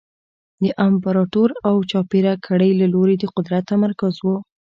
د امپراتور او چاپېره کړۍ له لوري د قدرت تمرکز و